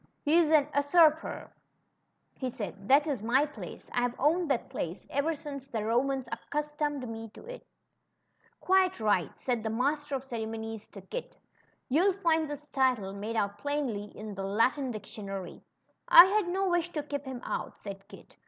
^^He's a usurper," he said. That is my place. I've owned that place ever since the Romans accustomed me to it," CHRISTOPHER'S ''AT HOME. Quite right/' said the Master of Ceremonies to Kit. You'll find his title made out plainly in the Latin dictionary." had no wish to keep him out/' said Kit.